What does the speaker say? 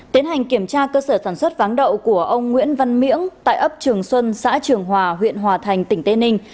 tiến hành kiểm tra cơ sở sản xuất váng đậu của ông nguyễn văn miễn tại ấp trường xuân xã trường hòa huyện hòa thành tỉnh tây ninh